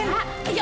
ya allah mbak lila